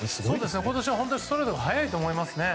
今年は本当にストレートが速いと思いますね。